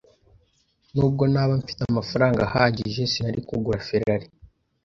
Nubwo naba mfite amafaranga ahagije, sinari kugura Ferrari.